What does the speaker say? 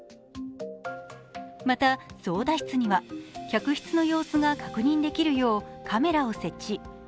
また、操だ室には客室の様子が確認できる、カメラを設置。